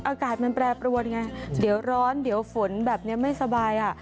อากาศมันแปรปรวนไงเดี๋ยวร้อนเดี๋ยวฝนแบบนี้ไม่สบายอ่ะ